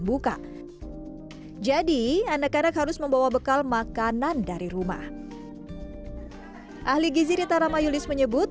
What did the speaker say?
buka jadi anak anak harus membawa bekal makanan dari rumah ahli gizi ritarama yulis menyebut